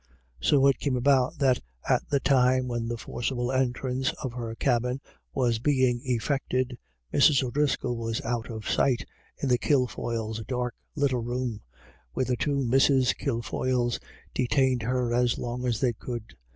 So it came about that at the time when the forcible entrance of her cabin was being effected, Mrs. O'Driscoll was out of sight in the Kilfoyles* dark little room, where the two Mrs. Kilfoyles detained her as long as they could.